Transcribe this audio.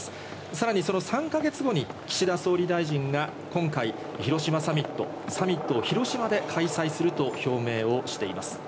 さらにその３か月後、岸田総理大臣が今回、広島サミット、サミットを広島で開催すると表明をしています。